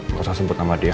gak usah sempet nama dia